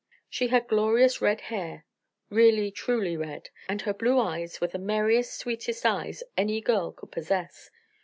She had glorious red hair really truly red and her blue eyes were the merriest, sweetest eyes any girl could possess.